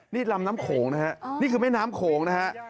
นี่ลำน้ำโขงนะครับนี่คือไม่น้ำโขงนะครับ